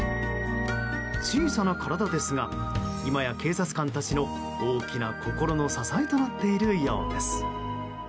小さな体ですが今や警察官たちの大きな心の支えとなっているようです。